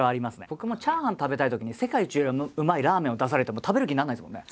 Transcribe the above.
僕もチャーハン食べたいときに世界一うまいラーメンを出されても食べる気にならないですもんね。